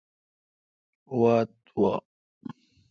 واتہ وہ۔